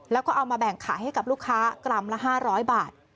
แล้วก็เอามาแบ่งขายให้กับลูกค้ากรัมละ๕๐๐บาท